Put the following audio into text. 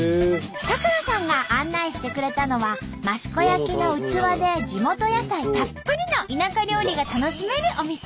咲楽さんが案内してくれたのは益子焼の器で地元野菜たっぷりの田舎料理が楽しめるお店。